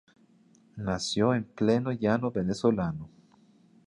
Nació en pleno llano venezolano.